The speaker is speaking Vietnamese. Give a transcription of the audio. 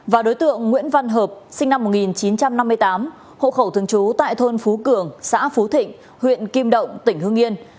và đối tượng nguyễn văn hợp sinh năm một nghìn chín trăm năm mươi tám hộ khẩu thường trú tại thôn phú cường xã phú thịnh huyện kim động tỉnh hương yên